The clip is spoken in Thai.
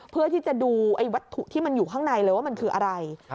เพื่อที่จะดูวัตถุที่มันอยู่ข้างในเลยว่ามันคืออะไร